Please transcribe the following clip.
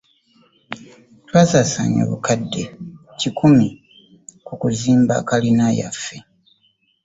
Twasasanya obukadde kikumi kukuzimba kalina yaffe.